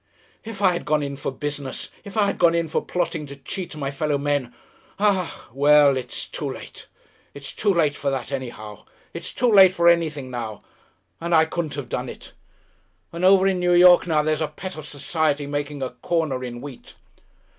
If I had gone in for business, if I had gone in for plotting to cheat my fellow men ah, well! It's too late. It's too late for that, anyhow. It's too late for anything now! And I couldn't have done it.... And over in New York now there's a pet of society making a corner in wheat!